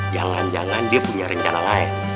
jangan jangan dia punya rencana lain